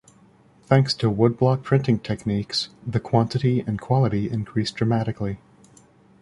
Thanks to woodblock printing techniques, the quantity and quality increased dramatically.